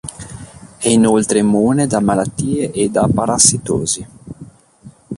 È inoltre immune da malattie e da parassitosi.